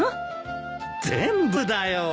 全部だよ。